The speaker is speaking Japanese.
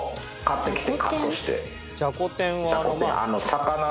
じゃこ天はあの。